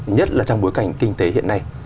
nhất là trong bối cảnh kinh tế hiện nay